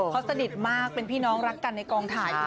เขาสนิทมากเป็นพี่น้องรักกันในกองถ่าย